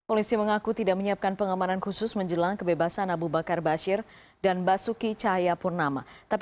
polisi mengaku tidak menyiapkan pengamanan khusus menjelang kebebasan abu bakar bashir dan basuki cahayapurnama